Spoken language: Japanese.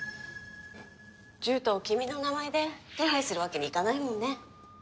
獣人を君の名前で手配するわけにいかないもんね。